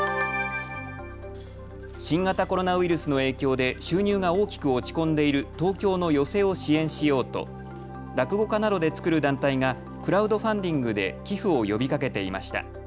新型コロナウイルスの影響で収入が大きく落ち込んでいる東京の寄席を支援しようと落語家などで作る団体がクラウドファンディングで寄付を呼びかけていました。